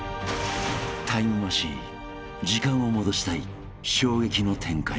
［タイムマシーン時間を戻したい衝撃の展開に］